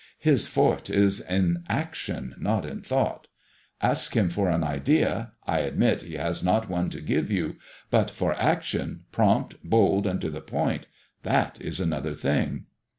His forte is in action, not in thought. Ask him for an idea^ I admit he has not one to give you — but for action^ prompt, bold, and to the point — that is another thing."